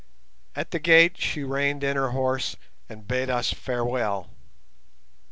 At the gate she reined in her horse and bade us farewell.